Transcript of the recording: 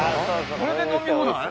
これで飲み放題？